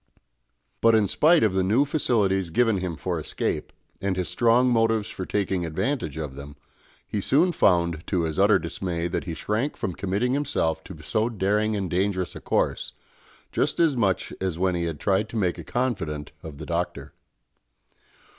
But in spite of the new facilities given him for escape, and his strong motives for taking advantage of them, he soon found to his utter dismay that he shrank from committing himself to so daring and dangerous a course, just as much as when he had tried to make a confidant of the Doctor.